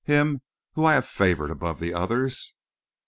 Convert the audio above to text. "Him whom I have favored above the others!"